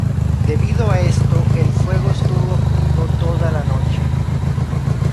Debido a esto, el fuego estuvo activo toda la noche.